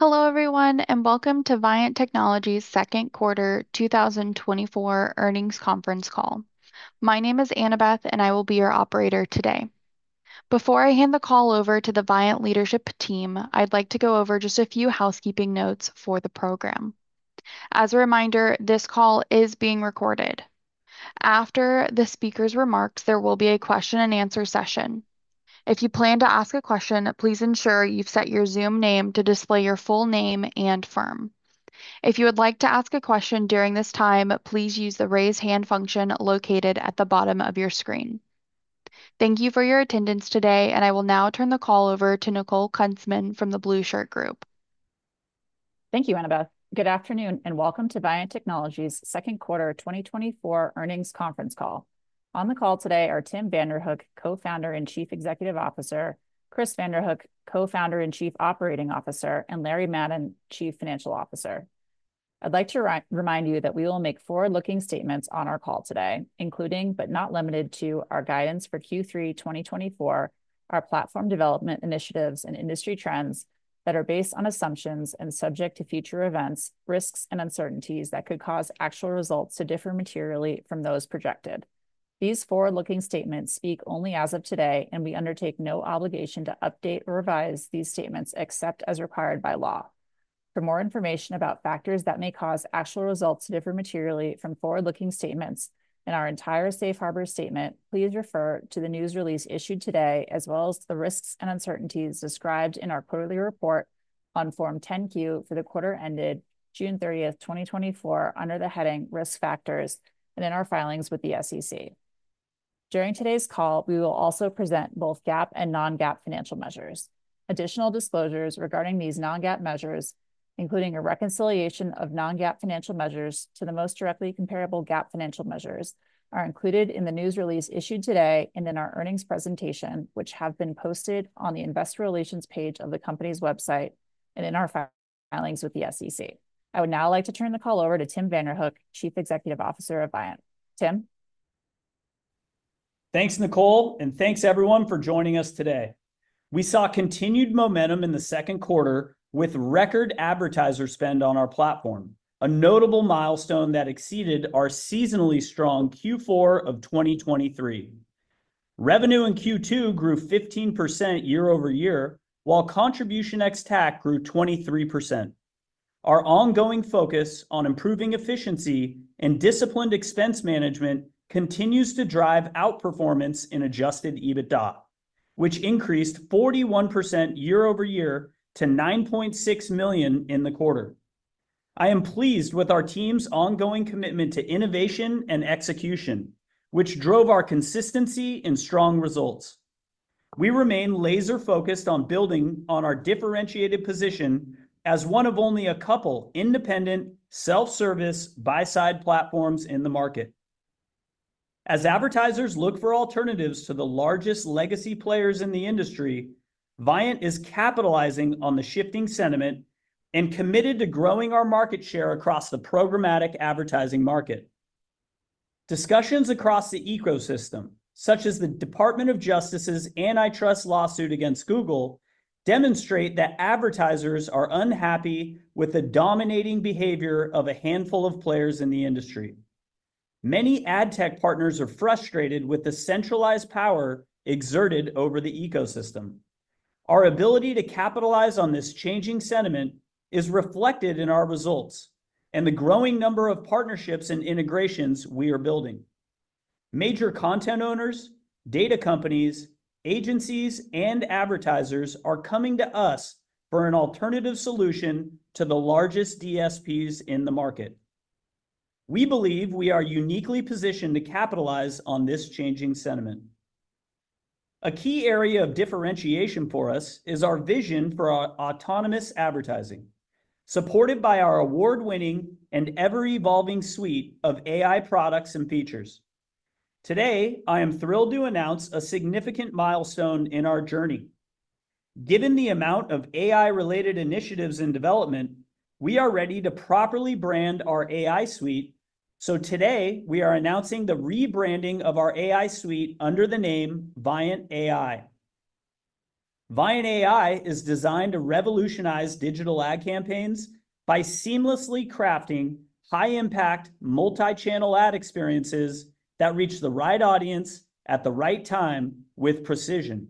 Hello everyone, and welcome to Viant Technology's Q2 2024 earnings conference call. My name is Annabeth, and I will be your operator today. Before I hand the call over to the Viant leadership team, I'd like to go over just a few housekeeping notes for the program. As a reminder, this call is being recorded. After the speaker's remarks, there will be a question and answer session. If you plan to ask a question, please ensure you've set your Zoom name to display your full name and firm. If you would like to ask a question during this time, please use the raise hand function located at the bottom of your screen. Thank you for your attendance today, and I will now turn the call over to Nicole Kunzman from The Blueshirt Group. Thank you, Annabeth. Good afternoon and welcome to Viant Technology's Q2 2024 earnings conference call. On the call today are Tim Vanderhook, Co-Founder and Chief Executive Officer, Chris Vanderhook, Co-Founder and Chief Operating Officer, and Larry Madden, Chief Financial Officer. I'd like to remind you that we will make forward-looking statements on our call today, including but not limited to our guidance for Q3 2024, our platform development initiatives, and industry trends that are based on assumptions and subject to future events, risks, and uncertainties that could cause actual results to differ materially from those projected. These forward-looking statements speak only as of today, and we undertake no obligation to update or revise these statements except as required by law. For more information about factors that may cause actual results to differ materially from forward-looking statements in our entire safe harbor statement, please refer to the news release issued today, as well as the risks and uncertainties described in our quarterly report on Form 10-Q for the quarter ended June 30th, 2024, under the heading risk factors, and in our filings with the SEC. During today's call, we will also present both GAAP and non-GAAP financial measures. Additional disclosures regarding these non-GAAP measures, including a reconciliation of non-GAAP financial measures to the most directly comparable GAAP financial measures, are included in the news release issued today and in our earnings presentation, which have been posted on the investor relations page of the company's website and in our filings with the SEC. I would now like to turn the call over to Tim Vanderhook, Chief Executive Officer of Viant. Tim. Thanks, Nicole, and thanks everyone for joining us today. We saw continued momentum in the Q2 with record advertiser spend on our platform, a notable milestone that exceeded our seasonally strong Q4 of 2023. Revenue in Q2 grew 15% year-over-year, while Contribution ex-TAC grew 23%. Our ongoing focus on improving efficiency and disciplined expense management continues to drive outperformance in Adjusted EBITDA, which increased 41% year-over-year to $9.6 million in the quarter. I am pleased with our team's ongoing commitment to innovation and execution, which drove our consistency and strong results. We remain laser-focused on building on our differentiated position as one of only a couple independent self-service buy-side platforms in the market. As advertisers look for alternatives to the largest legacy players in the industry, Viant is capitalizing on the shifting sentiment and committed to growing our market share across the programmatic advertising market. Discussions across the ecosystem, such as the U.S. Department of Justice's antitrust lawsuit against Google, demonstrate that advertisers are unhappy with the dominating behavior of a handful of players in the industry. Many ad tech partners are frustrated with the centralized power exerted over the ecosystem. Our ability to capitalize on this changing sentiment is reflected in our results and the growing number of partnerships and integrations we are building. Major content owners, data companies, agencies, and advertisers are coming to us for an alternative solution to the largest DSPs in the market. We believe we are uniquely positioned to capitalize on this changing sentiment. A key area of differentiation for us is our vision for autonomous advertising, supported by our award-winning and ever-evolving suite of AI products and features. Today, I am thrilled to announce a significant milestone in our journey. Given the amount of AI-related initiatives in development, we are ready to properly brand our AI suite, so today we are announcing the rebranding of our AI suite under the name Viant AI. Viant AI is designed to revolutionize digital ad campaigns by seamlessly crafting high-impact multi-channel ad experiences that reach the right audience at the right time with precision.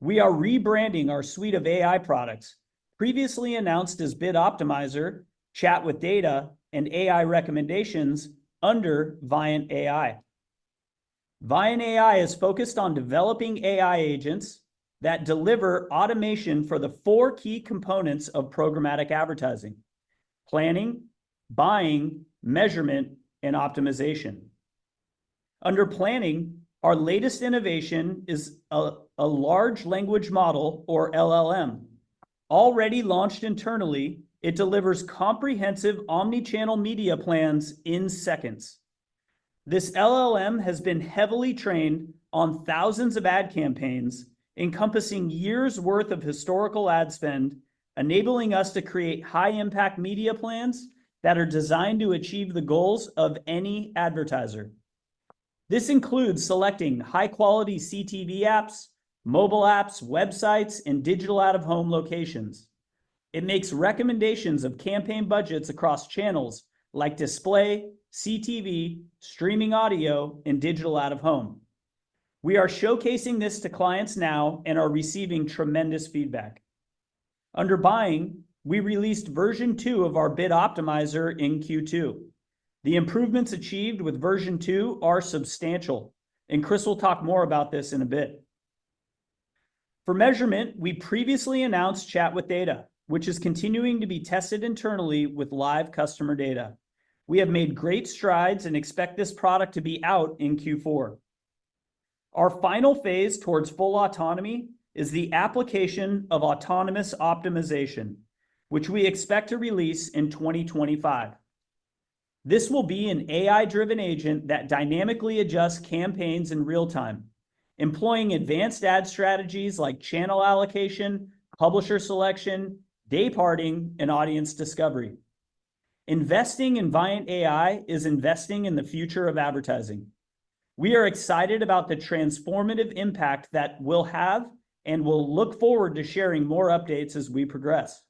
We are rebranding our suite of AI products, previously announced as Bid Optimizer, Chat with Data, and AI Recommendations under Viant AI. Viant AI is focused on developing AI agents that deliver automation for the four key components of programmatic advertising: planning, buying, measurement, and optimization. Under planning, our latest innovation is a large language model, or LLM. Already launched internally, it delivers comprehensive omnichannel media plans in seconds. This LLM has been heavily trained on thousands of ad campaigns, encompassing years' worth of historical ad spend, enabling us to create high-impact media plans that are designed to achieve the goals of any advertiser. This includes selecting high-quality CTV apps, mobile apps, websites, and digital out-of-home locations. It makes recommendations of campaign budgets across channels like display, CTV, streaming audio, and digital out-of-home. We are showcasing this to clients now and are receiving tremendous feedback. Under buying, we released version 2 of our Bid Optimizer in Q2. The improvements achieved with version 2 are substantial, and Chris will talk more about this in a bit. For measurement, we previously announced Chat with Data, which is continuing to be tested internally with live customer data. We have made great strides and expect this product to be out in Q4. Our final phase towards full autonomy is the application of autonomous optimization, which we expect to release in 2025. This will be an AI-driven agent that dynamically adjusts campaigns in real time, employing advanced ad strategies like channel allocation, publisher selection, dayparting, and audience discovery. Investing in Viant AI is investing in the future of advertising. We are excited about the transformative impact that will have and will look forward to sharing more updates as we progress.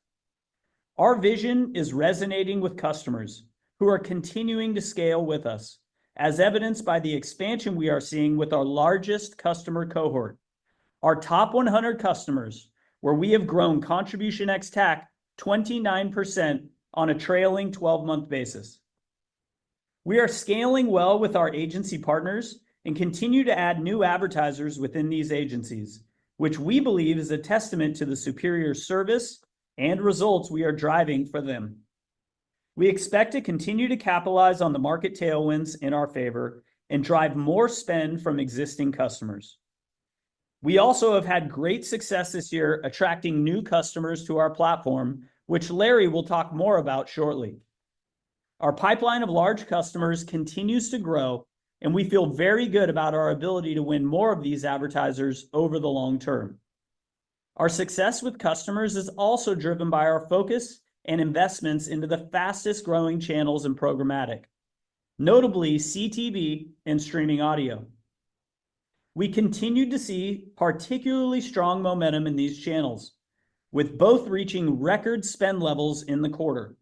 Our vision is resonating with customers who are continuing to scale with us, as evidenced by the expansion we are seeing with our largest customer cohort, our top 100 customers, where we have grown Contribution ex-TAC 29% on a trailing 12-month basis. We are scaling well with our agency partners and continue to add new advertisers within these agencies, which we believe is a testament to the superior service and results we are driving for them. We expect to continue to capitalize on the market tailwinds in our favor and drive more spend from existing customers. We also have had great success this year attracting new customers to our platform, which Larry will talk more about shortly. Our pipeline of large customers continues to grow, and we feel very good about our ability to win more of these advertisers over the long term. Our success with customers is also driven by our focus and investments into the fastest-growing channels and programmatic, notably CTV and streaming audio. We continue to see particularly strong momentum in these channels, with both reaching record spend levels in the quarter.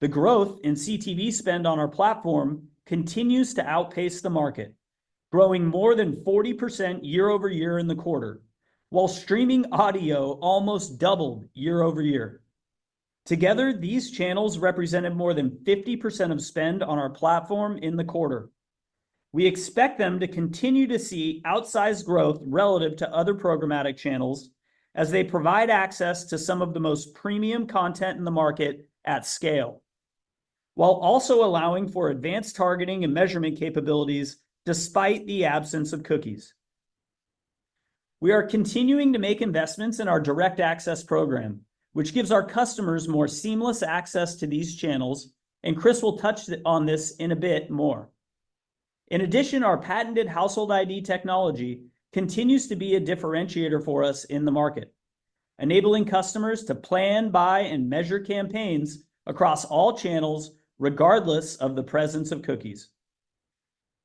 The growth in CTV spend on our platform continues to outpace the market, growing more than 40% year-over-year in the quarter, while streaming audio almost doubled year-over-year. Together, these channels represented more than 50% of spend on our platform in the quarter. We expect them to continue to see outsized growth relative to other programmatic channels as they provide access to some of the most premium content in the market at scale, while also allowing for advanced targeting and measurement capabilities despite the absence of cookies. We are continuing to make investments in our Direct Access program, which gives our customers more seamless access to these channels, and Chris will touch on this in a bit more. In addition, our patented Household ID technology continues to be a differentiator for us in the market, enabling customers to plan, buy, and measure campaigns across all channels regardless of the presence of cookies.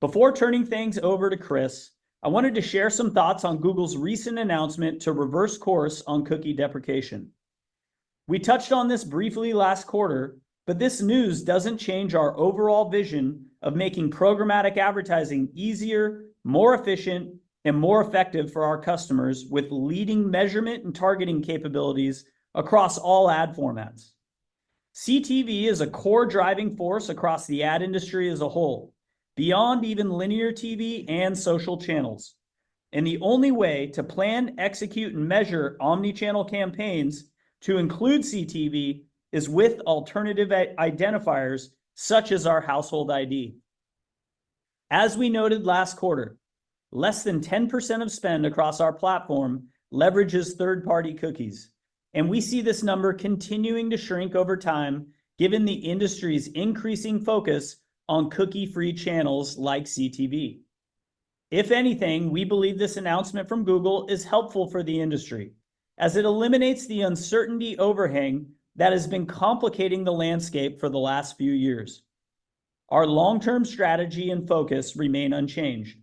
Before turning things over to Chris, I wanted to share some thoughts on Google's recent announcement to reverse course on cookie deprecation. We touched on this briefly last quarter, but this news doesn't change our overall vision of making programmatic advertising easier, more efficient, and more effective for our customers with leading measurement and targeting capabilities across all ad formats. CTV is a core driving force across the ad industry as a whole, beyond even linear TV and social channels. And the only way to plan, execute, and measure omnichannel campaigns to include CTV is with alternative identifiers such as our Household ID. As we noted last quarter, less than 10% of spend across our platform leverages third-party cookies, and we see this number continuing to shrink over time given the industry's increasing focus on cookie-free channels like CTV. If anything, we believe this announcement from Google is helpful for the industry as it eliminates the uncertainty overhang that has been complicating the landscape for the last few years. Our long-term strategy and focus remain unchanged,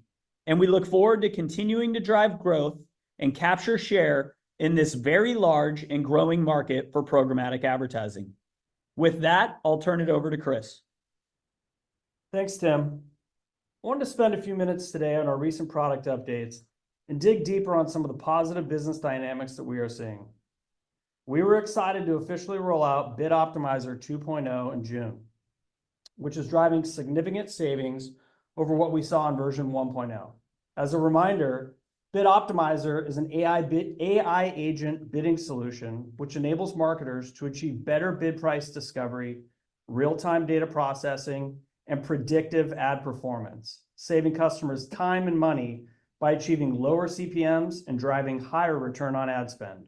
and we look forward to continuing to drive growth and capture share in this very large and growing market for programmatic advertising. With that, I'll turn it over to Chris. Thanks, Tim. I wanted to spend a few minutes today on our recent product updates and dig deeper on some of the positive business dynamics that we are seeing. We were excited to officially roll out Bid Optimizer 2.0 in June, which is driving significant savings over what we saw in version 1.0. As a reminder, Bid Optimizer is an AI agent bidding solution which enables marketers to achieve better bid price discovery, real-time data processing, and predictive ad performance, saving customers time and money by achieving lower CPMs and driving higher return on ad spend.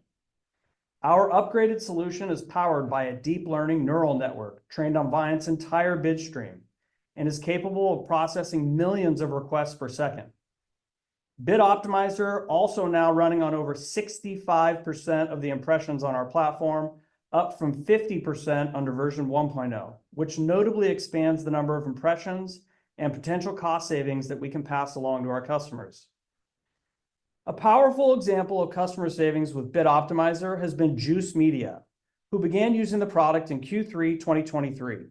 Our upgraded solution is powered by a deep learning neural network trained on Viant's entire bid stream and is capable of processing millions of requests per second. Bid Optimizer is also now running on over 65% of the impressions on our platform, up from 50% under version 1.0, which notably expands the number of impressions and potential cost savings that we can pass along to our customers. A powerful example of customer savings with Bid Optimizer has been Juice Media, who began using the product in Q3 2023.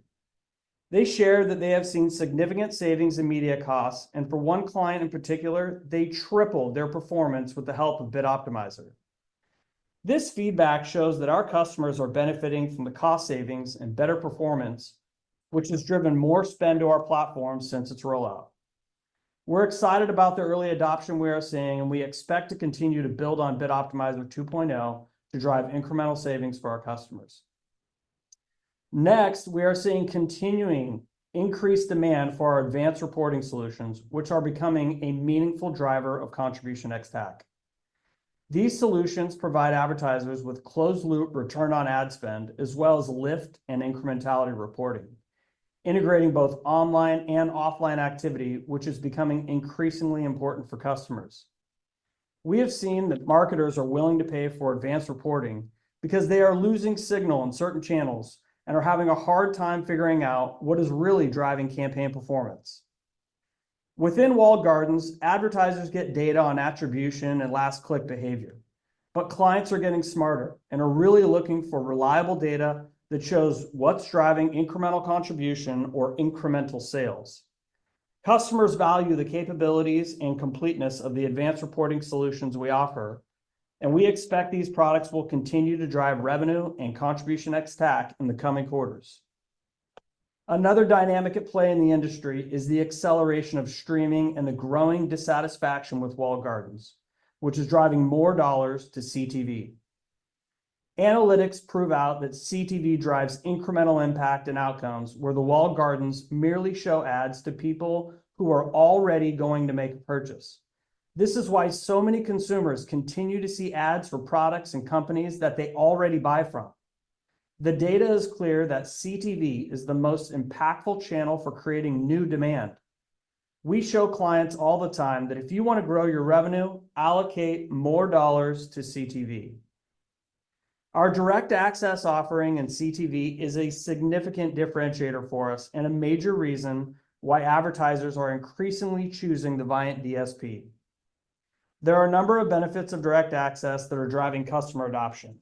They shared that they have seen significant savings in media costs, and for one client in particular, they tripled their performance with the help of Bid Optimizer. This feedback shows that our customers are benefiting from the cost savings and better performance, which has driven more spend to our platform since its rollout. We're excited about the early adoption we are seeing, and we expect to continue to build on Bid Optimizer 2.0 to drive incremental savings for our customers. Next, we are seeing continuing increased demand for our advanced reporting solutions, which are becoming a meaningful driver of Contribution ex-TAC. These solutions provide advertisers with closed-loop return on ad spend, as well as lift and incrementality reporting, integrating both online and offline activity, which is becoming increasingly important for customers. We have seen that marketers are willing to pay for advanced reporting because they are losing signal on certain channels and are having a hard time figuring out what is really driving campaign performance. Within walled gardens, advertisers get data on attribution and last-click behavior, but clients are getting smarter and are really looking for reliable data that shows what's driving incremental contribution or incremental sales. Customers value the capabilities and completeness of the advanced reporting solutions we offer, and we expect these products will continue to drive revenue and Contribution ex-TAC in the coming quarters. Another dynamic at play in the industry is the acceleration of streaming and the growing dissatisfaction with walled gardens, which is driving more dollars to CTV. Analytics prove out that CTV drives incremental impact and outcomes where the walled gardens merely show ads to people who are already going to make a purchase. This is why so many consumers continue to see ads for products and companies that they already buy from. The data is clear that CTV is the most impactful channel for creating new demand. We show clients all the time that if you want to grow your revenue, allocate more dollars to CTV. Our Direct Access offering in CTV is a significant differentiator for us and a major reason why advertisers are increasingly choosing the Viant DSP. There are a number of benefits of Direct Access that are driving customer adoption.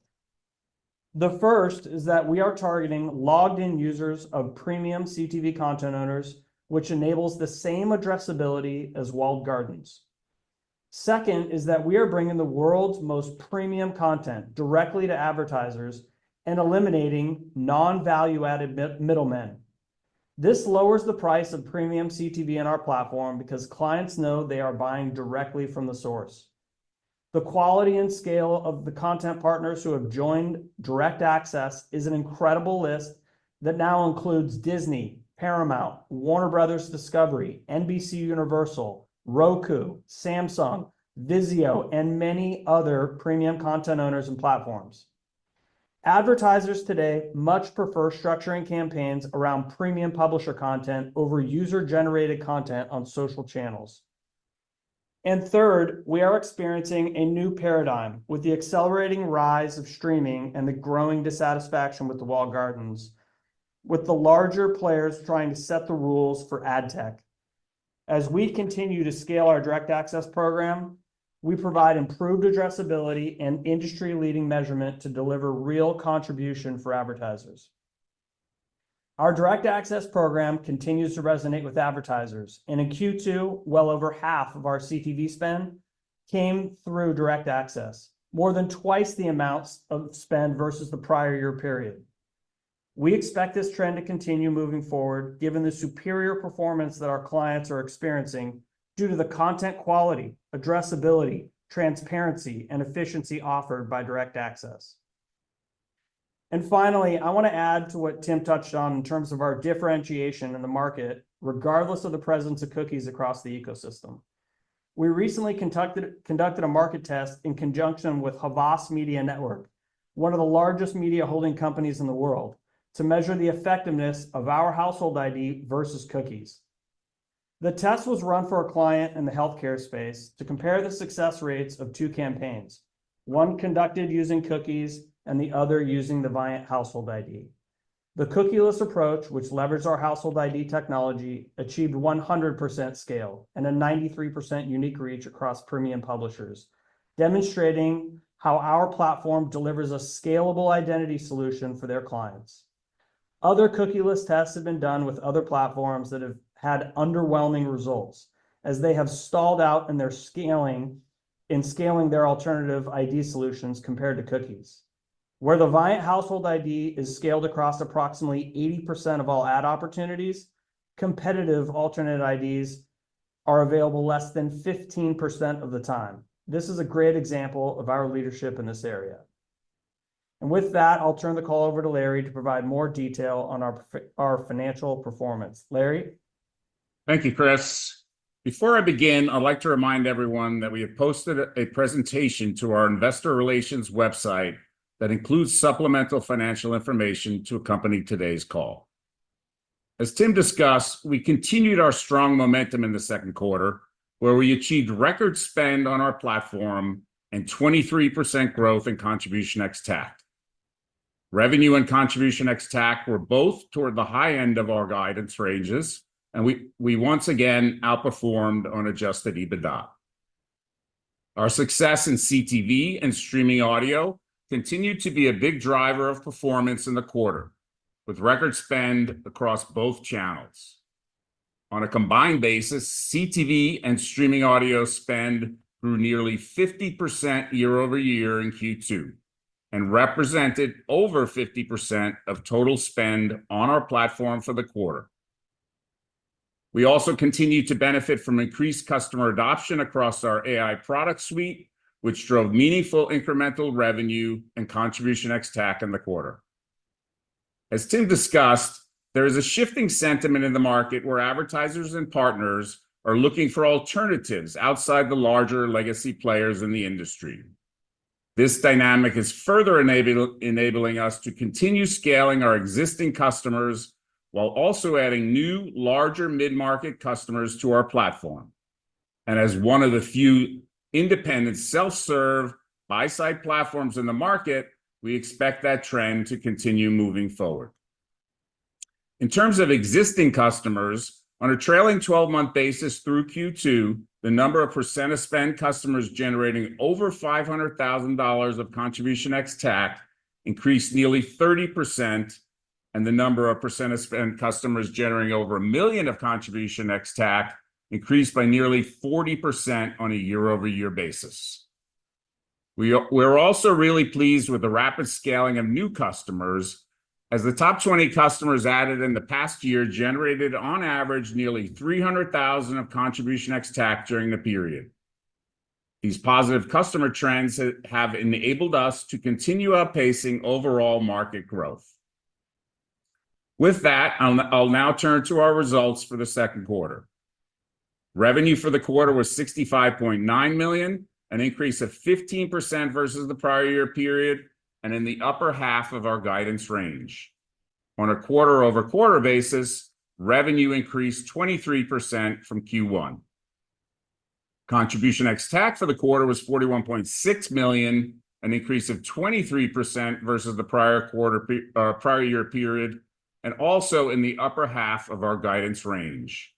The first is that we are targeting logged-in users of premium CTV content owners, which enables the same addressability as walled gardens. Second is that we are bringing the world's most premium content directly to advertisers and eliminating non-value-added middlemen. This lowers the price of premium CTV on our platform because clients know they are buying directly from the source. The quality and scale of the content partners who have joined Direct Access is an incredible list that now includes Disney, Paramount, Warner Bros. Discovery, NBCUniversal, Roku, Samsung, Vizio, and many other premium content owners and platforms. Advertisers today much prefer structuring campaigns around premium publisher content over user-generated content on social channels. And third, we are experiencing a new paradigm with the accelerating rise of streaming and the growing dissatisfaction with the walled gardens, with the larger players trying to set the rules for ad tech. As we continue to scale our Direct Access program, we provide improved addressability and industry-leading measurement to deliver real contribution for advertisers. Our Direct Access program continues to resonate with advertisers, and in Q2, well over half of our CTV spend came through Direct Access, more than twice the amounts of spend versus the prior year period. We expect this trend to continue moving forward given the superior performance that our clients are experiencing due to the content quality, addressability, transparency, and efficiency offered by Direct Access. Finally, I want to add to what Tim touched on in terms of our differentiation in the market, regardless of the presence of cookies across the ecosystem. We recently conducted a market test in conjunction with Havas Media Network, one of the largest media holding companies in the world, to measure the effectiveness of our Household ID versus cookies. The test was run for a client in the healthcare space to compare the success rates of two campaigns, one conducted using cookies and the other using the Viant Household ID. The cookieless approach, which leverages our Household ID technology, achieved 100% scale and a 93% unique reach across premium publishers, demonstrating how our platform delivers a scalable identity solution for their clients. Other cookieless tests have been done with other platforms that have had underwhelming results as they have stalled out in their scaling their alternative ID solutions compared to cookies. Where the Viant Household ID is scaled across approximately 80% of all ad opportunities, competitive alternate IDs are available less than 15% of the time. This is a great example of our leadership in this area. And with that, I'll turn the call over to Larry to provide more detail on our financial performance. Larry. Thank you, Chris. Before I begin, I'd like to remind everyone that we have posted a presentation to our investor relations website that includes supplemental financial information to accompany today's call. As Tim discussed, we continued our strong momentum in the Q2, where we achieved record spend on our platform and 23% growth in Contribution ex-TAC. Revenue and Contribution ex-TAC were both toward the high end of our guidance ranges, and we once again outperformed on Adjusted EBITDA. Our success in CTV and streaming audio continued to be a big driver of performance in the quarter, with record spend across both channels. On a combined basis, CTV and streaming audio spend grew nearly 50% year-over-year in Q2 and represented over 50% of total spend on our platform for the quarter. We also continue to benefit from increased customer adoption across our AI product suite, which drove meaningful incremental revenue and Contribution ex-TAC in the quarter. As Tim discussed, there is a shifting sentiment in the market where advertisers and partners are looking for alternatives outside the larger legacy players in the industry. This dynamic is further enabling us to continue scaling our existing customers while also adding new, larger mid-market customers to our platform. As one of the few independent self-serve buy-side platforms in the market, we expect that trend to continue moving forward. In terms of existing customers, on a trailing 12-month basis through Q2, the number of Percent of Spend Customers generating over $500,000 of Contribution ex-TAC increased nearly 30%, and the number of Percent of Spend Customers generating over $1 million of Contribution ex-TAC increased by nearly 40% on a year-over-year basis. We are also really pleased with the rapid scaling of new customers as the top 20 customers added in the past year generated, on average, nearly $300,000 of Contribution ex-TAC during the period. These positive customer trends have enabled us to continue outpacing overall market growth. With that, I'll now turn to our results for the Q2. Revenue for the quarter was $65.9 million, an increase of 15% versus the prior year period, and in the upper half of our guidance range. On a quarter-over-quarter basis, revenue increased 23% from Q1. Contribution ex-TAC for the quarter was $41.6 million, an increase of 23% versus the prior quarter prior year period, and also in the upper half of our guidance range.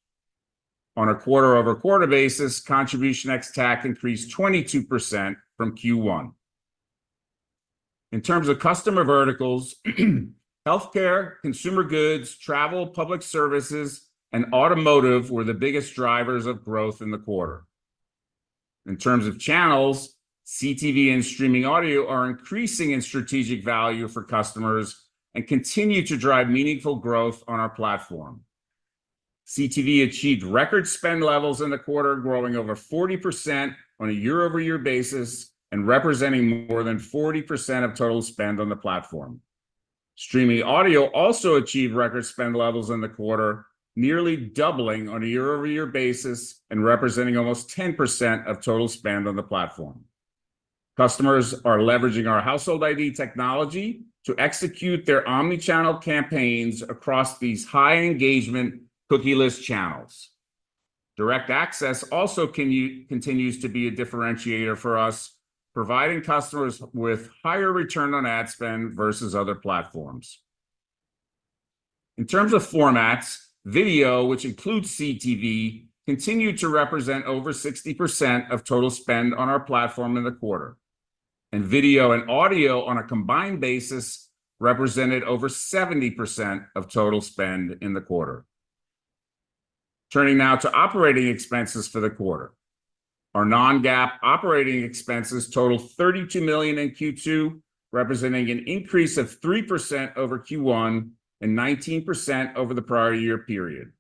On a quarter-over-quarter basis, Contribution ex-TAC increased 22% from Q1. In terms of customer verticals, healthcare, consumer goods, travel, public services, and automotive were the biggest drivers of growth in the quarter. In terms of channels, CTV and streaming audio are increasing in strategic value for customers and continue to drive meaningful growth on our platform. CTV achieved record spend levels in the quarter, growing over 40% on a year-over-year basis and representing more than 40% of total spend on the platform. Streaming audio also achieved record spend levels in the quarter, nearly doubling on a year-over-year basis and representing almost 10% of total spend on the platform. Customers are leveraging our Household ID technology to execute their omnichannel campaigns across these high-engagement cookieless channels. Direct access also continues to be a differentiator for us, providing customers with higher return on ad spend versus other platforms. In terms of formats, video, which includes CTV, continued to represent over 60% of total spend on our platform in the quarter, and video and audio on a combined basis represented over 70% of total spend in the quarter. Turning now to operating expenses for the quarter, our non-GAAP operating expenses totaled $32 million in Q2, representing an increase of 3% over Q1 and 19% over the prior year period.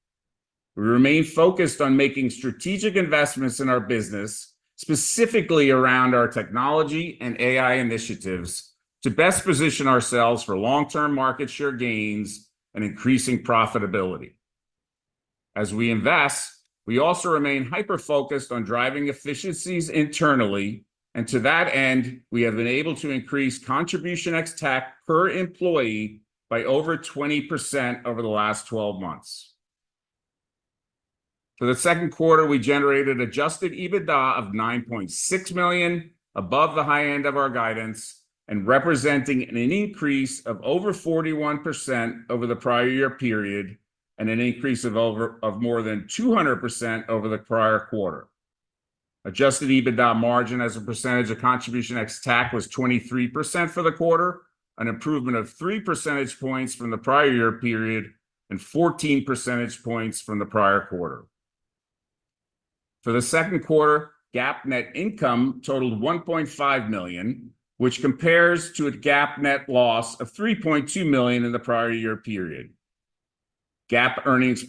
We remain focused on making strategic investments in our business, specifically around our technology and AI initiatives, to best position ourselves for long-term market share gains and increasing profitability. As we invest, we also remain hyper-focused on driving efficiencies internally, and to that end, we have been able to increase Contribution ex-TAC per employee by over 20% over the last 12 months. For the Q2, we generated Adjusted EBITDA of $9.6 million, above the high end of our guidance and representing an increase of over 41% over the prior year period and an increase of over more than 200% over the prior quarter. Adjusted EBITDA margin as a percentage of Contribution ex-TAC was 23% for the quarter, an improvement of 3 percentage points from the prior year period and 14 percentage points from the prior quarter. For the Q2, GAAP net income totaled $1.5 million, which compares to a GAAP net loss of $3.2 million in the prior year period. GAAP earnings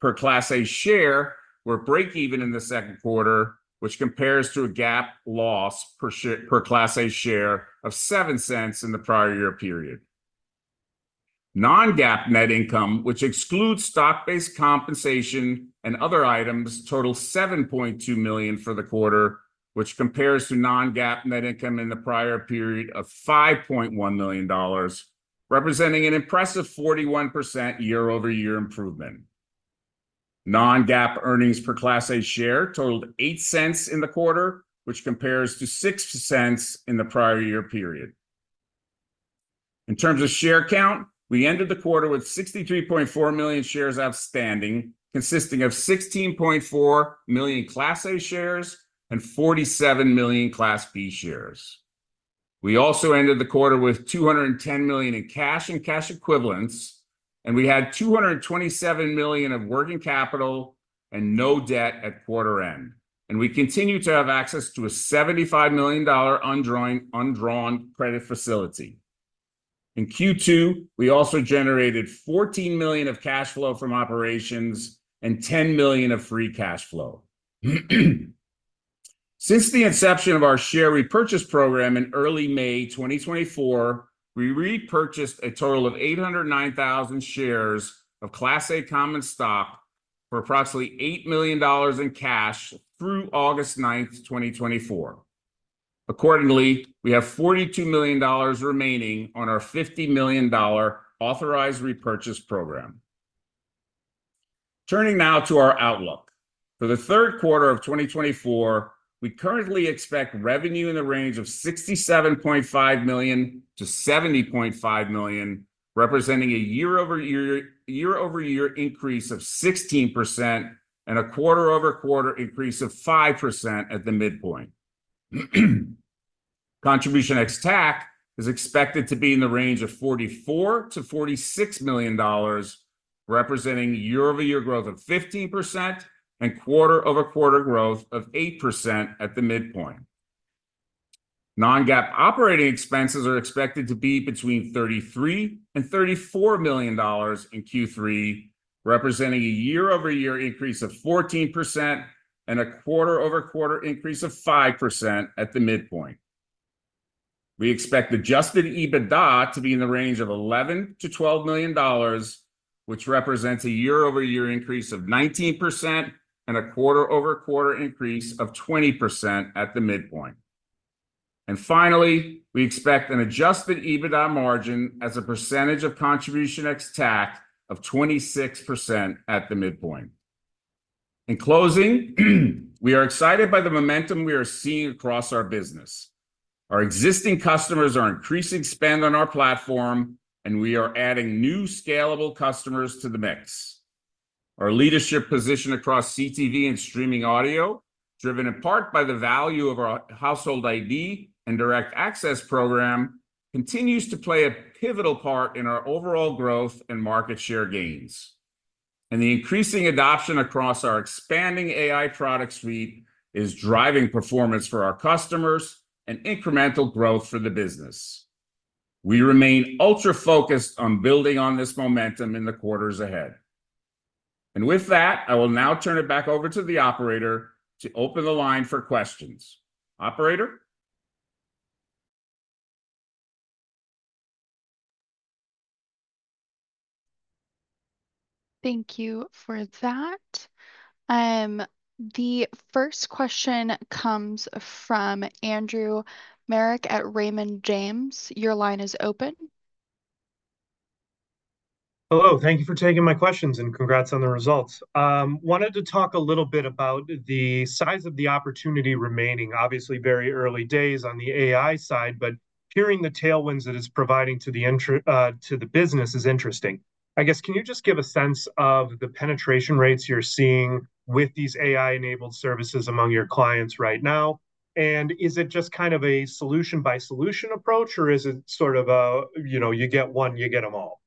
per Class A share were breakeven in the Q2, which compares to a GAAP loss per Class A share of $0.07 in the prior year period. Non-GAAP net income, which excludes stock-based compensation and other items, totaled $7.2 million for the quarter, which compares to non-GAAP net income in the prior period of $5.1 million, representing an impressive 41% year-over-year improvement. Non-GAAP earnings per Class A share totaled $0.08 in the quarter, which compares to $0.06 in the prior year period. In terms of share count, we ended the quarter with 63.4 million shares outstanding, consisting of 16.4 million Class A shares and 47 million Class B shares. We also ended the quarter with $210 million in cash and cash equivalents, and we had $227 million of working capital and no debt at quarter end. And we continue to have access to a $75 million undrawn credit facility. In Q2, we also generated $14 million of cash flow from operations and $10 million of free cash flow. Since the inception of our share repurchase program in early May 2024, we repurchased a total of 809,000 shares of Class A common stock for approximately $8 million in cash through August 9, 2024. Accordingly, we have $42 million remaining on our $50 million authorized repurchase program. Turning now to our outlook. For the Q3 of 2024, we currently expect revenue in the range of $67.5 million-$70.5 million, representing a year-over-year year-over-year increase of 16% and a quarter-over-quarter increase of 5% at the midpoint. Contribution ex-TAC is expected to be in the range of $44 million-$46 million, representing year-over-year growth of 15% and quarter-over-quarter growth of 8% at the midpoint. Non-GAAP operating expenses are expected to be between $33 million-$34 million in Q3, representing a year-over-year increase of 14% and a quarter-over-quarter increase of 5% at the midpoint. We expect Adjusted EBITDA to be in the range of $11 million-$12 million, which represents a year-over-year increase of 19% and a quarter-over-quarter increase of 20% at the midpoint. And finally, we expect an Adjusted EBITDA margin as a percentage of Contribution ex-TAC of 26% at the midpoint. In closing, we are excited by the momentum we are seeing across our business. Our existing customers are increasing spend on our platform, and we are adding new scalable customers to the mix. Our leadership position across CTV and streaming audio, driven in part by the value of our Household ID and Direct Access program, continues to play a pivotal part in our overall growth and market share gains. And the increasing adoption across our expanding AI product suite is driving performance for our customers and incremental growth for the business. We remain ultra-focused on building on this momentum in the quarters ahead. With that, I will now turn it back over to the operator to open the line for questions. Operator. Thank you for that. The first question comes from Andrew Marok at Raymond James. Your line is open. Hello. Thank you for taking my questions and congrats on the results. Wanted to talk a little bit about the size of the opportunity remaining. Obviously, very early days on the AI side, but hearing the tailwinds that it's providing to the business is interesting. I guess, can you just give a sense of the penetration rates you're seeing with these AI-enabled services among your clients right now? And is it just kind of a solution-by-solution approach, or is it sort of a, you know, you get one, you get them all?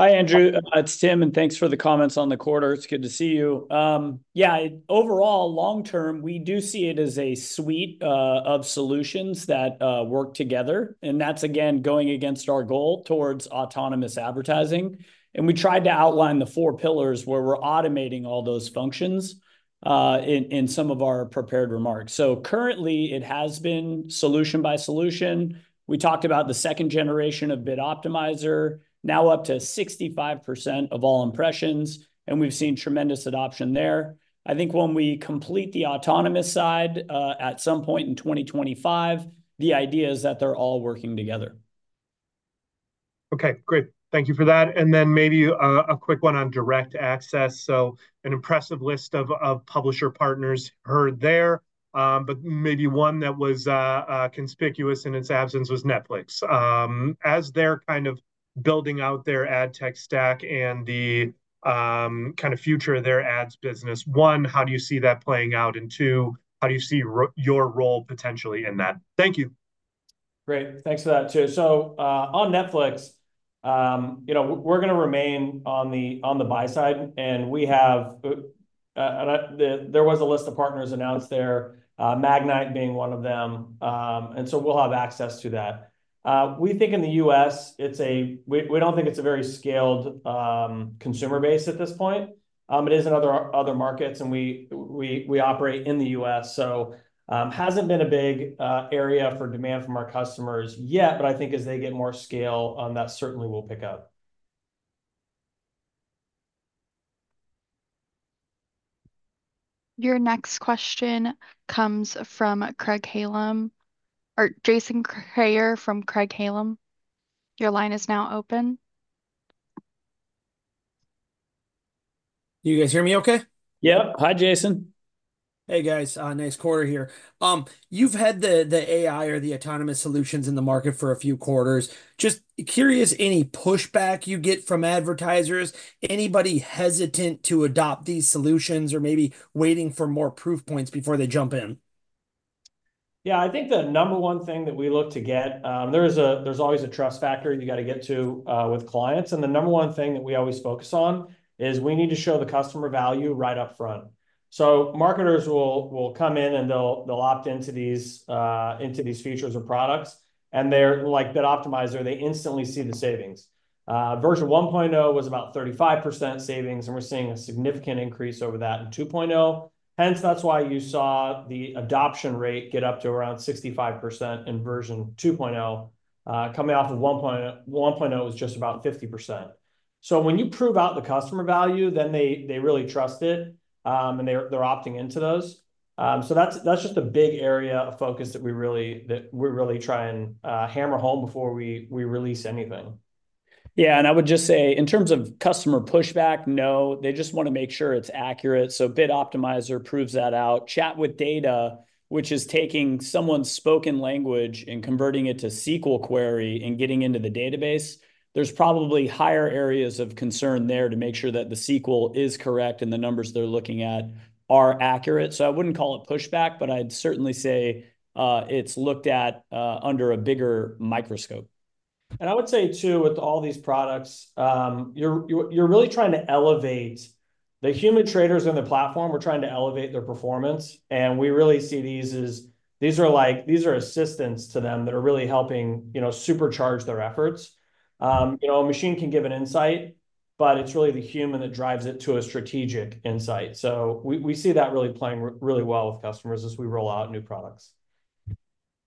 Hi, Andrew. It's Tim, and thanks for the comments on the quarter. It's good to see you. Yeah, overall, long-term, we do see it as a suite of solutions that work together. That's, again, going against our goal towards autonomous advertising. We tried to outline the four pillars where we're automating all those functions in some of our prepared remarks. Currently, it has been solution-by-solution. We talked about the second generation of Bid Optimizer, now up to 65% of all impressions, and we've seen tremendous adoption there. I think when we complete the autonomous side at some point in 2025, the idea is that they're all working together. Okay. Great. Thank you for that. And then maybe a quick one on Direct Access. So an impressive list of publisher partners heard there, but maybe one that was conspicuous in its absence was Netflix. As they're kind of building out their ad tech stack and the kind of future of their ads business, one, how do you see that playing out? And two, how do you see your role potentially in that? Thank you. Great. Thanks for that. So on Netflix, you know, we're going to remain on the buy side, and there was a list of partners announced there, Magnite being one of them. And so we'll have access to that. We think in the U.S., it's a, we don't think it's a very scaled consumer base at this point. It is in other markets, and we operate in the U.S. So it hasn't been a big area for demand from our customers yet, but I think as they get more scale, that certainly will pick up. Your next question comes from Craig-Hallum or Jason Kreyer from Craig-Hallum. Your line is now open. You guys hear me okay? Yep. Hi, Jason. Hey, guys. Nice quarter here. You've had the AI or the autonomous solutions in the market for a few quarters. Just curious, any pushback you get from advertisers? Anybody hesitant to adopt these solutions or maybe waiting for more proof points before they jump in? Yeah. I think the number one thing that we look to get, there's always a trust factor you got to get to with clients. And the number one thing that we always focus on is we need to show the customer value right up front. So marketers will come in and they'll opt into these features or products. And they're like Bid Optimizer, they instantly see the savings. Version 1.0 was about 35% savings, and we're seeing a significant increase over that in 2.0. Hence, that's why you saw the adoption rate get up to around 65% in version 2.0. Coming off of 1.0 was just about 50%. So when you prove out the customer value, then they really trust it, and they're opting into those. So that's just a big area of focus that we really try and hammer home before we release anything. Yeah. And I would just say, in terms of customer pushback, no. They just want to make sure it's accurate. So Bid Optimizer proves that out. Chat with Data, which is taking someone's spoken language and converting it to SQL query and getting into the database, there's probably higher areas of concern there to make sure that the SQL is correct and the numbers they're looking at are accurate. So I wouldn't call it pushback, but I'd certainly say it's looked at under a bigger microscope. I would say too, with all these products, you're really trying to elevate the human traders on the platform. We're trying to elevate their performance. We really see these as these are like these are assistants to them that are really helping supercharge their efforts. A machine can give an insight, but it's really the human that drives it to a strategic insight. We see that really playing really well with customers as we roll out new products.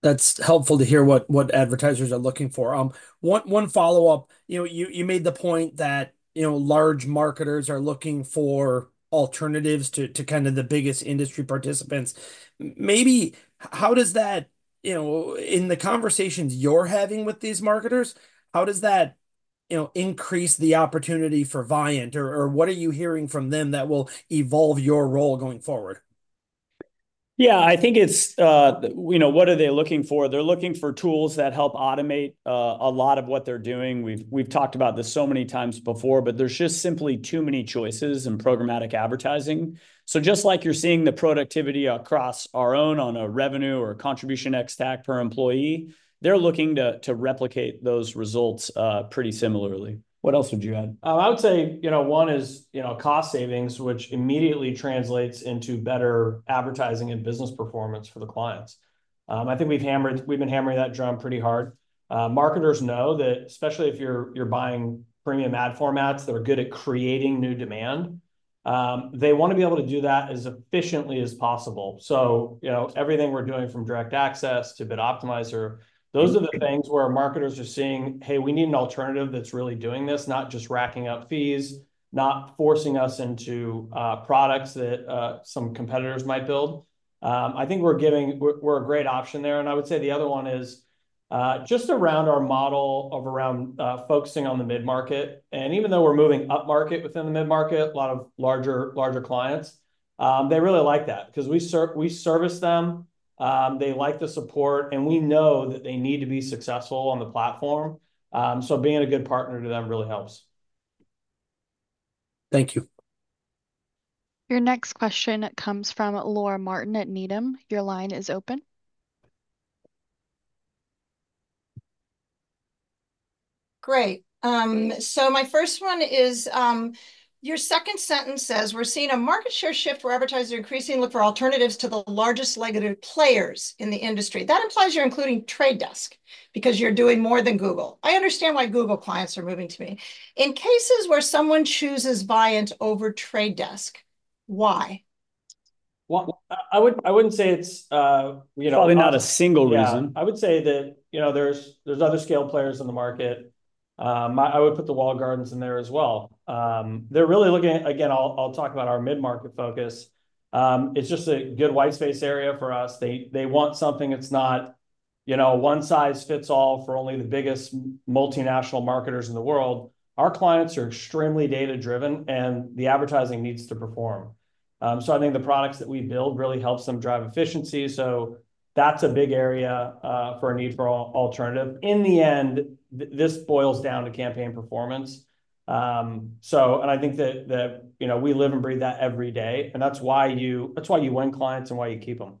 That's helpful to hear what advertisers are looking for. One follow-up. You made the point that large marketers are looking for alternatives to kind of the biggest industry participants. Maybe how does that, in the conversations you're having with these marketers, how does that increase the opportunity for Viant? Or what are you hearing from them that will evolve your role going forward? Yeah. I think it's what are they looking for? They're looking for tools that help automate a lot of what they're doing. We've talked about this so many times before, but there's just simply too many choices in programmatic advertising. So just like you're seeing the productivity across our own on a revenue or Contribution ex-TAC per employee, they're looking to replicate those results pretty similarly. What else would you add? I would say one is cost savings, which immediately translates into better advertising and business performance for the clients. I think we've been hammering that drum pretty hard. Marketers know that, especially if you're buying premium ad formats that are good at creating new demand, they want to be able to do that as efficiently as possible. So everything we're doing from Direct Access to Bid Optimizer, those are the things where marketers are seeing, "Hey, we need an alternative that's really doing this, not just racking up fees, not forcing us into products that some competitors might build." I think we're a great option there. I would say the other one is just around our model of around focusing on the mid-market. Even though we're moving up market within the mid-market, a lot of larger clients, they really like that because we service them. They like the support, and we know that they need to be successful on the platform. So being a good partner to them really helps. Thank you. Your next question comes from Laura Martin at Needham. Your line is open. Great. So my first one is your second sentence says, "We're seeing a market share shift where advertisers are increasingly looking for alternatives to the largest legacy players in the industry." That implies you're including The Trade Desk because you're doing more than Google. I understand why Google clients are moving to me. In cases where someone chooses Viant over The Trade Desk, why? I wouldn't say it's. Probably not a single reason. I would say that there's other scale players in the market. I would put the walled gardens in there as well. They're really looking at, again, I'll talk about our mid-market focus. It's just a good white space area for us. They want something that's not one-size-fits-all for only the biggest multinational marketers in the world. Our clients are extremely data-driven, and the advertising needs to perform. So I think the products that we build really help them drive efficiency. So that's a big area for a need for alternative. In the end, this boils down to campaign performance. And I think that we live and breathe that every day. And that's why you win clients and why you keep them.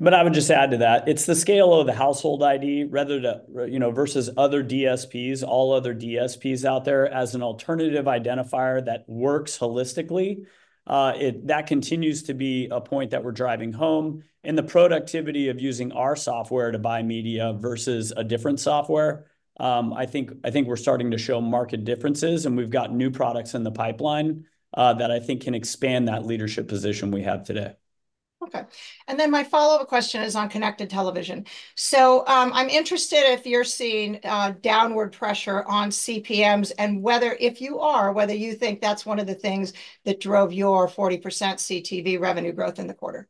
But I would just add to that, it's the scale of the Household ID versus other DSPs, all other DSPs out there as an alternative identifier that works holistically. That continues to be a point that we're driving home. And the productivity of using our software to buy media versus a different software, I think we're starting to show market differences, and we've got new products in the pipeline that I think can expand that leadership position we have today. Okay. My follow-up question is on connected television. I'm interested if you're seeing downward pressure on CPMs and whether, if you are, whether you think that's one of the things that drove your 40% CTV revenue growth in the quarter.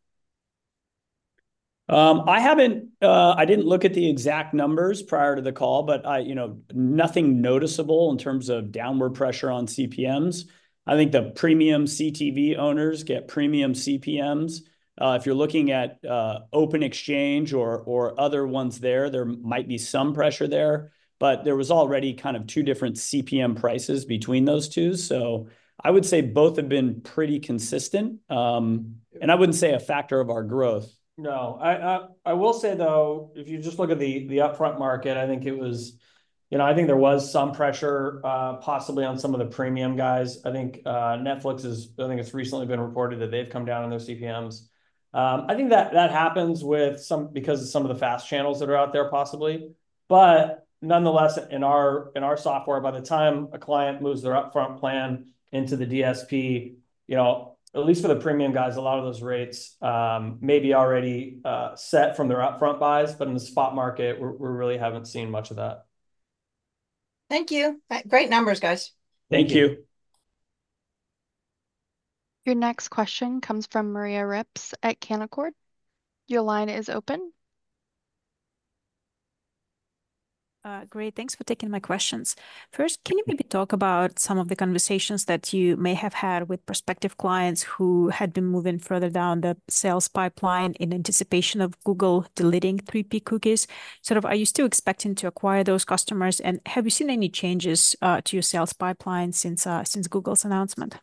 I didn't look at the exact numbers prior to the call, but nothing noticeable in terms of downward pressure on CPMs. I think the premium CTV owners get premium CPMs. If you're looking at Open Exchange or other ones there, there might be some pressure there. But there was already kind of two different CPM prices between those two. So I would say both have been pretty consistent. And I wouldn't say a factor of our growth. No. I will say, though, if you just look at the upfront market, I think it was, I think there was some pressure possibly on some of the premium guys. I think Netflix is, I think it's recently been reported that they've come down on their CPMs. I think that happens because of some of the fast channels that are out there possibly. But nonetheless, in our software, by the time a client moves their upfront plan into the DSP, at least for the premium guys, a lot of those rates may be already set from their upfront buys. But in the spot market, we really haven't seen much of that. Thank you. Great numbers, guys. Thank you. Your next question comes from Maria Ripps at Canaccord. Your line is open. Great. Thanks for taking my questions. First, can you maybe talk about some of the conversations that you may have had with prospective clients who had been moving further down the sales pipeline in anticipation of Google deleting 3P cookies? Sort of are you still expecting to acquire those customers? And have you seen any changes to your sales pipeline since Google's announcement?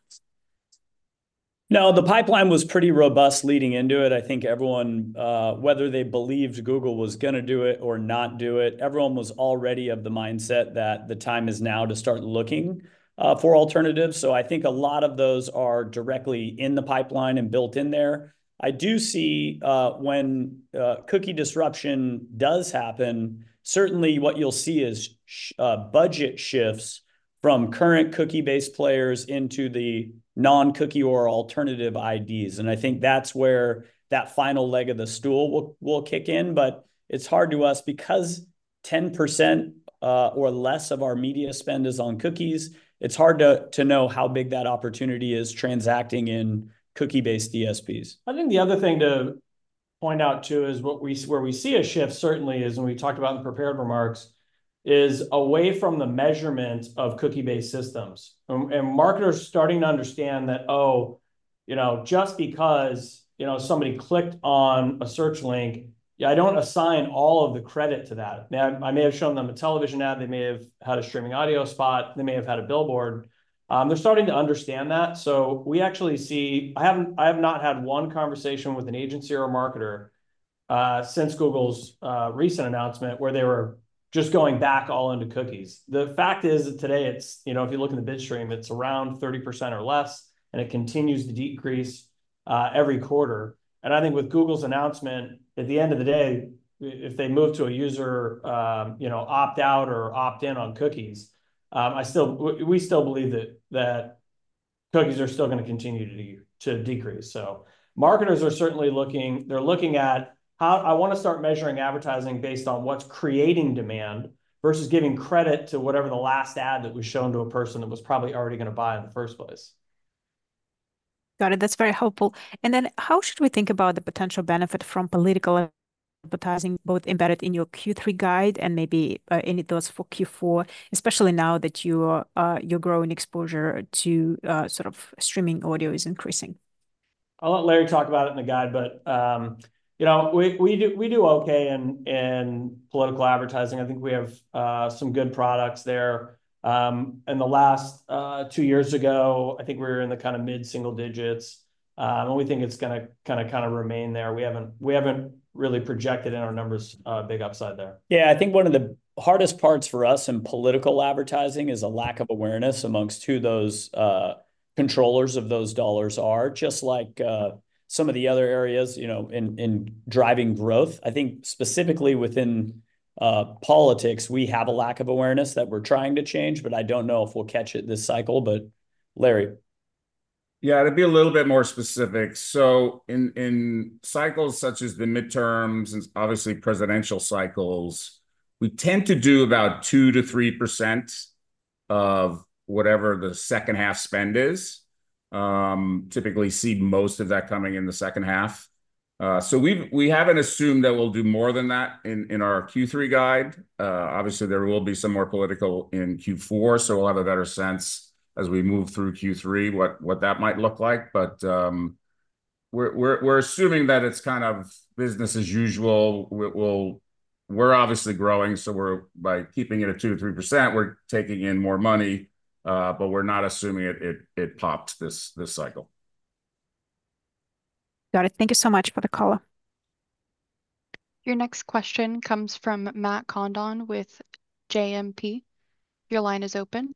No, the pipeline was pretty robust leading into it. I think everyone, whether they believed Google was going to do it or not do it, everyone was already of the mindset that the time is now to start looking for alternatives. So I think a lot of those are directly in the pipeline and built in there. I do see when cookie disruption does happen, certainly what you'll see is budget shifts from current cookie-based players into the non-cookie or alternative IDs. And I think that's where that final leg of the stool will kick in. But it's hard for us because 10% or less of our media spend is on cookies. It's hard to know how big that opportunity is transacting in cookie-based DSPs. I think the other thing to point out too is where we see a shift certainly is when we talked about in the prepared remarks is away from the measurement of cookie-based systems. And marketers are starting to understand that, oh, just because somebody clicked on a search link, I don't assign all of the credit to that. I may have shown them a television ad. They may have had a streaming audio spot. They may have had a billboard. They're starting to understand that. So we actually see I have not had one conversation with an agency or a marketer since Google's recent announcement where they were just going back all into cookies. The fact is that today, if you look in the bid stream, it's around 30% or less, and it continues to decrease every quarter. I think with Google's announcement, at the end of the day, if they move to a user opt-out or opt-in on cookies, we still believe that cookies are still going to continue to decrease. Marketers are certainly looking at, "I want to start measuring advertising based on what's creating demand versus giving credit to whatever the last ad that was shown to a person that was probably already going to buy in the first place. Got it. That's very helpful. And then how should we think about the potential benefit from political advertising both embedded in your Q3 guide and maybe any thoughts for Q4, especially now that your growing exposure to sort of streaming audio is increasing? I'll let Larry talk about it in the guide. But we do okay in political advertising. I think we have some good products there. And the last two years ago, I think we were in the kind of mid-single digits. And we think it's going to kind of remain there. We haven't really projected in our numbers a big upside there. Yeah. I think one of the hardest parts for us in political advertising is a lack of awareness among who those controllers of those dollars are. Just like some of the other areas in driving growth, I think specifically within politics, we have a lack of awareness that we're trying to change. But I don't know if we'll catch it this cycle. But Larry. Yeah. To be a little bit more specific, so in cycles such as the midterms and obviously presidential cycles, we tend to do about 2%-3% of whatever the second-half spend is. Typically see most of that coming in the second half. So we haven't assumed that we'll do more than that in our Q3 guide. Obviously, there will be some more political in Q4. So we'll have a better sense as we move through Q3 what that might look like. But we're assuming that it's kind of business as usual. We're obviously growing. So by keeping it at 2%-3%, we're taking in more money. But we're not assuming it popped this cycle. Got it. Thank you so much for the color. Your next question comes from Matt Condon with JMP. Your line is open.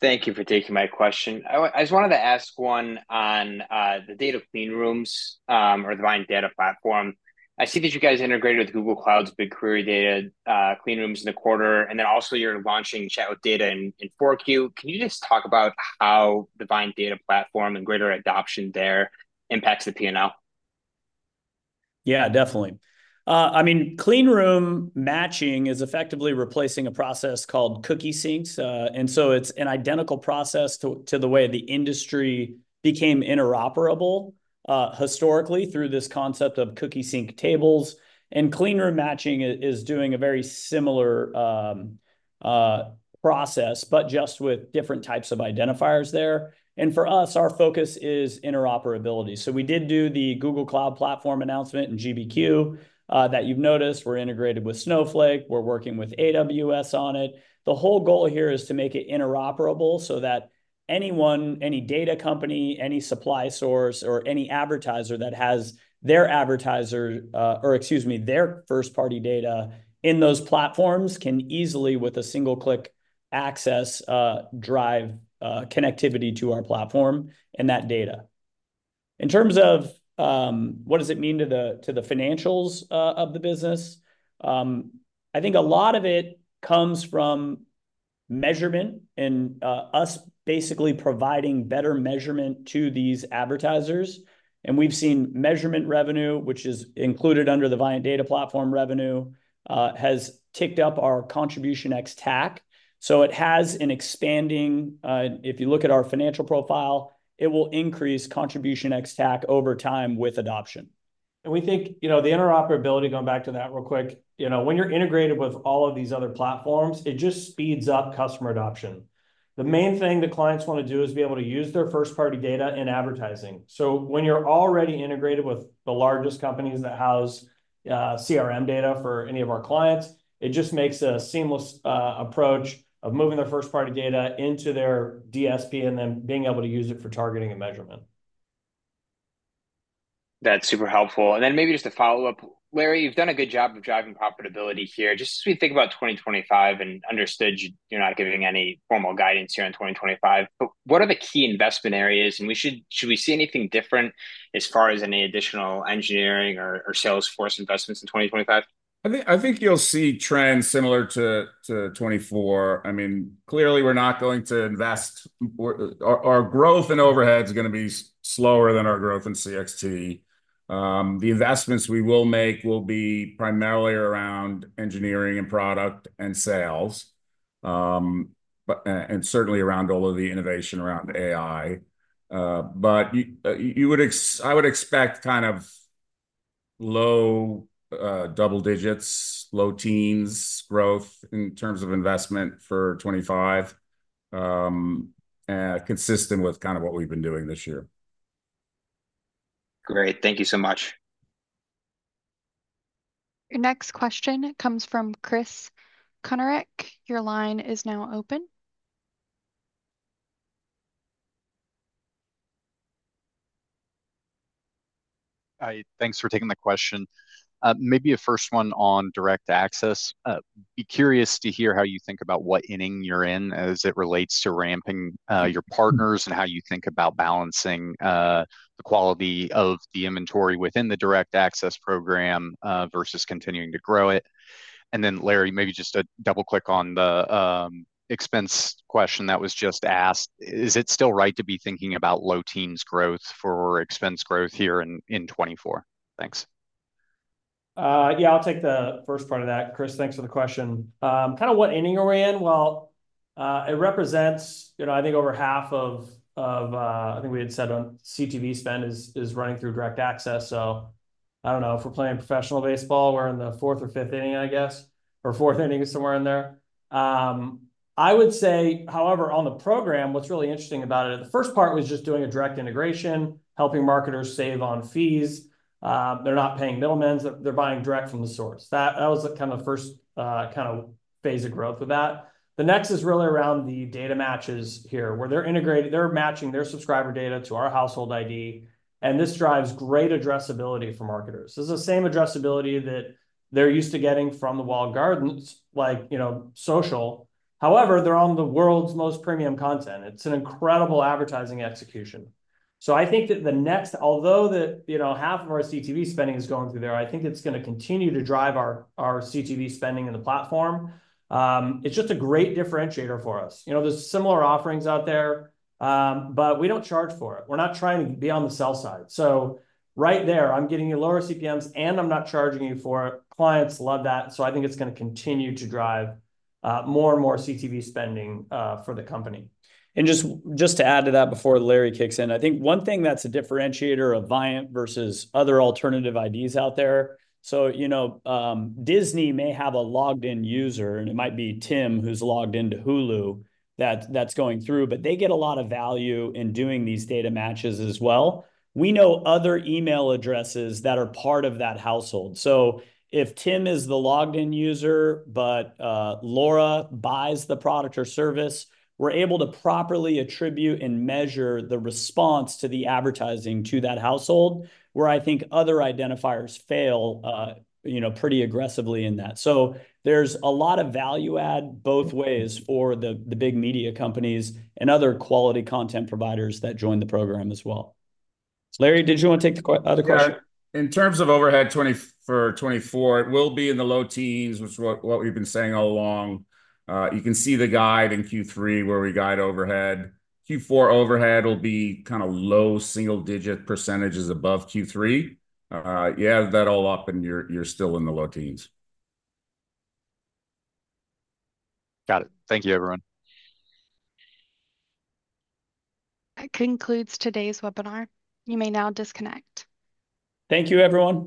Thank you for taking my question. I just wanted to ask one on the data cleanrooms or the Viant Data Platform. I see that you guys integrated with Google Cloud's BigQuery data cleanrooms in the quarter. And then also you're launching Chat with Data in Q4. Can you just talk about how the Viant Data Platform and greater adoption there impacts the P&L? Yeah, definitely. I mean, cleanroom matching is effectively replacing a process called cookie syncs. And so it's an identical process to the way the industry became interoperable historically through this concept of cookie sync tables. And cleanroom matching is doing a very similar process, but just with different types of identifiers there. And for us, our focus is interoperability. So we did do the Google Cloud Platform announcement in GBQ that you've noticed. We're integrated with Snowflake. We're working with AWS on it. The whole goal here is to make it interoperable so that anyone, any data company, any supply source, or any advertiser that has their advertiser or, excuse me, their first-party data in those platforms can easily, with a single-click access, drive connectivity to our platform and that data. In terms of what does it mean to the financials of the business, I think a lot of it comes from measurement and us basically providing better measurement to these advertisers. And we've seen measurement revenue, which is included under the Viant Data Platform revenue, has ticked up our Contribution ex-TAC. So it has an expanding if you look at our financial profile, it will increase Contribution ex-TAC over time with adoption. We think the interoperability, going back to that real quick, when you're integrated with all of these other platforms, it just speeds up customer adoption. The main thing that clients want to do is be able to use their first-party data in advertising. When you're already integrated with the largest companies that house CRM data for any of our clients, it just makes a seamless approach of moving their first-party data into their DSP and then being able to use it for targeting and measurement. That's super helpful. Then maybe just a follow-up. Larry, you've done a good job of driving profitability here. Just as we think about 2025 and understood you're not giving any formal guidance here in 2025, but what are the key investment areas? Should we see anything different as far as any additional engineering or salesforce investments in 2025? I think you'll see trends similar to 2024. I mean, clearly, we're not going to invest our growth in overhead is going to be slower than our growth in Contribution ex-TAC. The investments we will make will be primarily around engineering and product and sales, and certainly around all of the innovation around AI. But I would expect kind of low double digits, low teens growth in terms of investment for 2025, consistent with kind of what we've been doing this year. Great. Thank you so much. Your next question comes from Chris Kuntarich. Your line is now open. Hi. Thanks for taking the question. Maybe a first one on Direct Access. Be curious to hear how you think about what inning you're in as it relates to ramping your partners and how you think about balancing the quality of the inventory within the Direct Access program versus continuing to grow it. And then Larry, maybe just a double-click on the expense question that was just asked. Is it still right to be thinking about low teens growth for expense growth here in 2024? Thanks. Yeah. I'll take the first part of that. Chris, thanks for the question. Kind of what inning are we in? Well, it represents, I think, over half of—I think we had said CTV spend is running through Direct Access. So I don't know. If we're playing professional baseball, we're in the fourth or fifth inning, I guess, or fourth inning is somewhere in there. I would say, however, on the program, what's really interesting about it, the first part was just doing a direct integration, helping marketers save on fees. They're not paying middlemen. They're buying direct from the source. That was kind of the first kind of phase of growth of that. The next is really around the data matches here where they're integrating. They're matching their subscriber data to our Household ID. And this drives great addressability for marketers. This is the same addressability that they're used to getting from the walled gardens like social. However, they're on the world's most premium content. It's an incredible advertising execution. So I think that the next, although half of our CTV spending is going through there, I think it's going to continue to drive our CTV spending in the platform. It's just a great differentiator for us. There's similar offerings out there, but we don't charge for it. We're not trying to be on the sell side. So right there, I'm getting you lower CPMs, and I'm not charging you for it. Clients love that. So I think it's going to continue to drive more and more CTV spending for the company. And just to add to that before Larry kicks in, I think one thing that's a differentiator of Viant versus other alternative IDs out there, so Disney may have a logged-in user, and it might be Tim who's logged into Hulu that's going through, but they get a lot of value in doing these data matches as well. We know other email addresses that are part of that household. So if Tim is the logged-in user, but Laura buys the product or service, we're able to properly attribute and measure the response to the advertising to that household where I think other identifiers fail pretty aggressively in that. So there's a lot of value-add both ways for the big media companies and other quality content providers that join the program as well. Larry, did you want to take the other question? In terms of overhead 2024, it will be in the low teens, which is what we've been saying all along. You can see the guide in Q3 where we guide overhead. Q4 overhead will be kind of low single-digit percentages above Q3. Yeah, that all up, and you're still in the low teens. Got it. Thank you, everyone. That concludes today's webinar. You may now disconnect. Thank you, everyone.